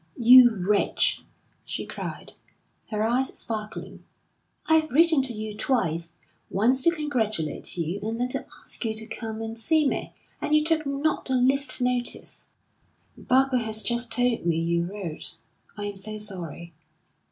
"You wretch!" she cried, her eyes sparkling, "I've written to you twice once to congratulate you, and then to ask you to come and see me and you took not the least notice." "Barker has just told me you wrote. I am so sorry."